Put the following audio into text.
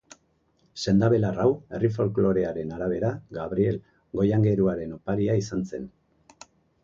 Sendabelar hau, herri folklorearen arabera, Gabriel goiaingeruaren oparia izan zen.